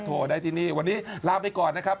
โทรได้ที่นี่วันนี้ลาไปก่อนนะครับ